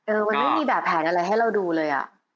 มันไม่มีแบบแผนอะไรให้เราดูเลยอ่ะ